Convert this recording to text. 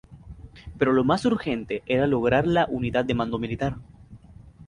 Pero lo más urgente era lograr la unidad de mando militar.